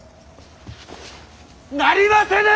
なりませぬ！